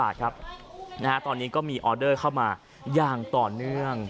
ตอนนี้ก็มีออเดอร์เข้ามาอย่างต่อเนื่อง